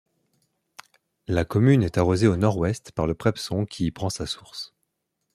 La commune est arrosée au nord-ouest par le Prepson qui y prend sa source.